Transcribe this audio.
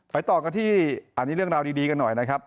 ต่อกันที่อันนี้เรื่องราวดีกันหน่อยนะครับ